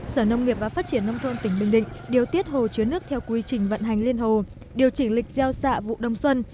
sở nông nghiệp và phát triển nông thôn tỉnh bình định điều tiết hồ chứa nước theo quy trình vận hành liên hồ điều chỉnh lịch gieo xạ vụ đông xuân